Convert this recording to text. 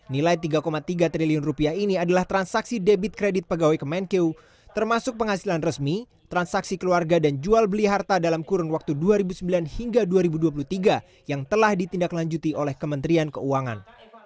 nilai tiga tiga triliun rupiah ini adalah transaksi debit kredit pegawai kemenkeu termasuk penghasilan resmi transaksi keluarga dan jual beli harta dalam kurun waktu dua ribu sembilan hingga dua ribu dua puluh tiga yang telah ditindaklanjuti oleh kementerian keuangan